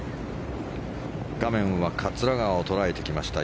画面は桂川を捉えてきました。